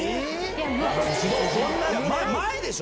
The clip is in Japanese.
前でしょ？